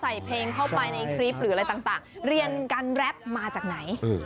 ใส่เพลงเข้าไปในคลิปหรืออะไรต่างเรียนการแรปมาจากไหน